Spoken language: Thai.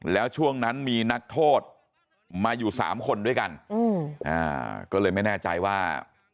แล้วช่วงนั้นมีนักโทษมาอยู่๓คนด้วยกันก็เลยไม่แน่ใจว่า